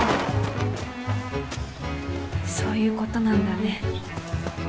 そういうことなんだね。